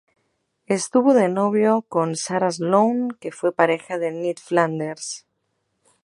Estuvo de novio con Sarah Sloane que fue pareja de Ned Flanders.